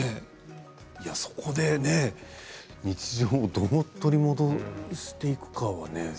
そこで日常をどう取り戻していくかはね。